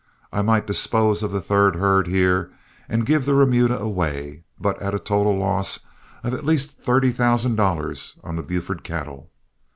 I might dispose of the third herd here and give the remuda away, but at a total loss of at least thirty thousand dollars on the Buford cattle.